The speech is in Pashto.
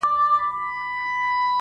مرگ